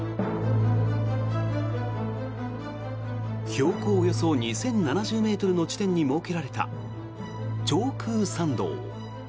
標高およそ２０７０ｍの地点に設けられた長空桟道。